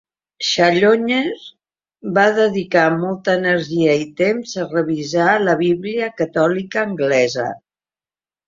Challoner va dedicar molta energia i temps a revisar la Bíblia catòlica anglesa.